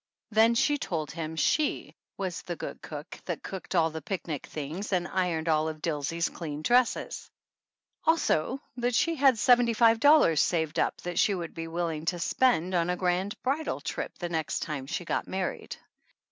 Then she told him she was the good cook that cooked all the picnic things, and ironed all of Dilsey's clean dresses; also that she had seventy five dollars saved up that she would be willing to spend on a grand bridal trip the next time she got married.